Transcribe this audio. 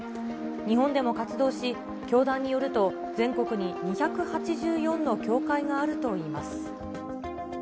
日本でも活動し、教団によると、全国に２８４の教会があるといいます。